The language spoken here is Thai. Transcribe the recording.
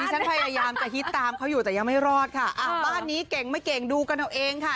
ฉันพยายามจะฮิตตามเขาอยู่แต่ยังไม่รอดค่ะอ่าบ้านนี้เก่งไม่เก่งดูกันเอาเองค่ะ